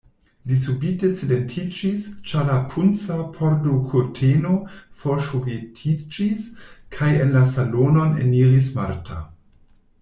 Li subite silentiĝis, ĉar la punca pordokurteno forŝovetiĝis kaj en la salonon eniris Marta.